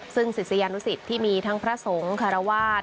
ซึ่งศิษยานุสิตที่มีทั้งพระสงฆ์คารวาส